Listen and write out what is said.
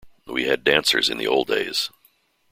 We had dancers in the old days.